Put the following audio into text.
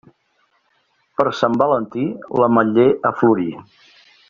Per Sant Valentí, l'ametller a florir.